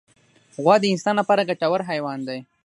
غوا د انسان لپاره ګټور حیوان دی.